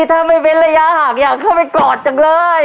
ถ้าไม่เว้นระยะห่างอยากเข้าไปกอดจังเลย